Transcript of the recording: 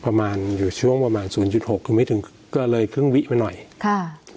ประมาณอยู่ช่วงประมาณศูนย์จุดหกคือไม่ถึงก็เลยครึ่งวิไปหน่อยค่ะ